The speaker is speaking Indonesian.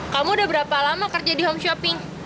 kamu udah berapa lama kerja di homeshoping